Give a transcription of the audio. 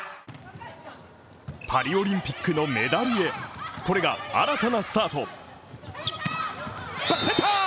パリオリンピックのメダルへ、これが新たなスタート。